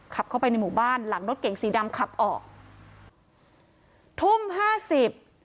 ขับเข้าไปในหมู่บ้านหลังรถเก๋งสีดำขับออกทุ่มห้าสิบ